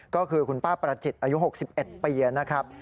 ก็คือคุณป้าประจิตอายุ๖๑ปีนะครับ